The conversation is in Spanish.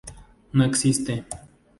No existe.